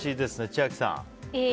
千秋さん。